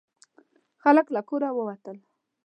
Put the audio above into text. خلک له کوره ووتل.